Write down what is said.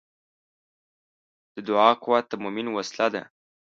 د دعا قوت د مؤمن وسله ده.